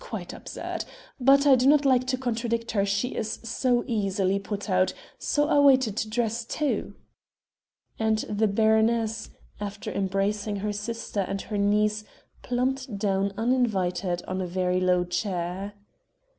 Quite absurd ... but I do not like to contradict her, she is so easily put out so I waited to dress too." And the baroness, after embracing her sister and her niece, plumped down uninvited on a very low chair.